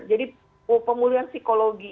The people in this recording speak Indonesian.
jadi pemulihan psikologi